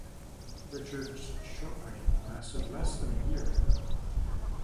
Richard's short reign lasted less than a year.